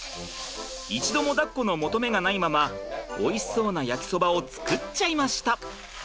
一度もだっこの求めがないままおいしそうな焼きそばを作っちゃいました。